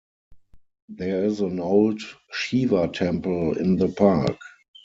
There is an old Shiva temple in the park.